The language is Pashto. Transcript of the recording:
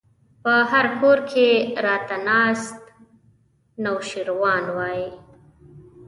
په هر کور کې راته ناست نوشيروان وای